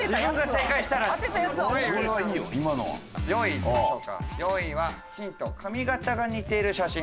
４位はヒント髪形が似ている写真。